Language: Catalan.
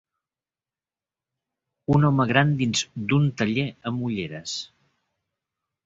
Un home gran dins d'un taller amb ulleres.